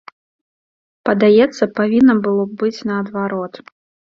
Падаецца, павінна было б быць наадварот.